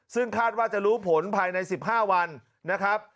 ซึ่งคาดว่าจะรู้ผลภายใน๑๕วันนะครับ